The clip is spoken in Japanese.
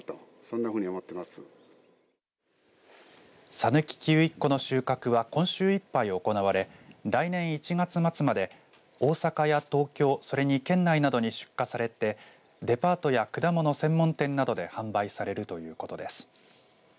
さぬきキウイっこの収穫は今週いっぱい行われ来年１月末まで大阪や東京、それに県内などに出荷されてデパートや果物専門店などで販売されるということです。